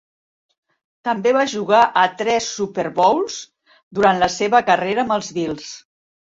També va jugar a tres Super Bowls durant la seva carrera amb els Bills.